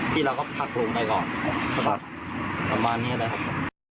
พี่เราก็พักลงไปก่อนประมาณนี้แล้วครับ